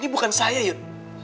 ini bukan saya yod